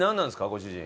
ご主人。